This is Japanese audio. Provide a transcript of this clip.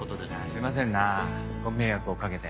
すいませんなご迷惑をかけて。